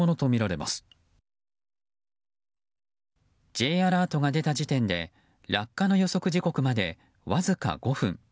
Ｊアラートが出た時点で落下の予測時刻まで、わずか５分。